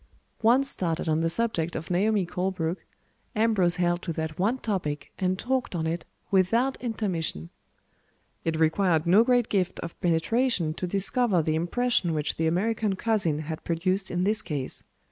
Once started on the subject of Naomi Colebrook, Ambrose held to that one topic and talked on it without intermission. It required no great gift of penetration to discover the impression which the American cousin had produced in this case.